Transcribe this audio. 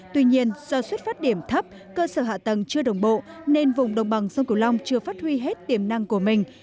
tuy nhiên do xuất phát điểm thấp cơ sở hạ tầng chưa đồng bộ nên vùng đồng bằng sông cửu long chưa phát huy hết tiềm năng của mình